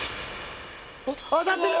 当たってる！